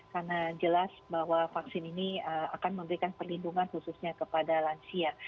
karena jelas bahwa vaksin ini akan memberikan perlindungan khususnya kepada lansia